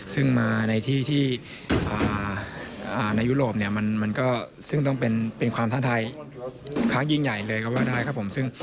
ซึ่งมาในที่ที่ในยุโรปเนี่ยมันก็ซึ่งต้องเป็นความท้าทายครั้งยิ่งใหญ่เลยครับว่าได้ครับผม